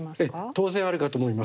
当然あるかと思います。